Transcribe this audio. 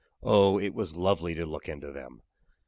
Oh! it was lovely to look into them!